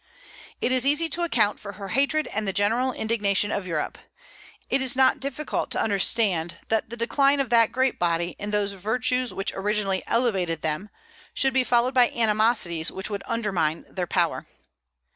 It is easy to account for her hatred and the general indignation of Europe. It is not difficult to understand that the decline of that great body in those virtues which originally elevated them, should be followed by animosities which would undermine their power.